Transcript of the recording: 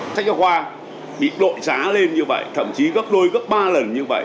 sách giáo khoa bị đội giá lên như vậy thậm chí gấp đôi gấp ba lần như vậy